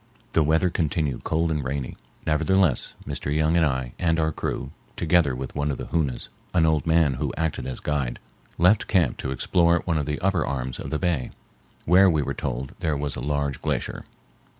The weather continued cold and rainy. Nevertheless Mr. Young and I and our crew, together with one of the Hoonas, an old man who acted as guide, left camp to explore one of the upper arms of the bay, where we were told there was a large glacier.